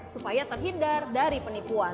supaya terhindar dari penipuan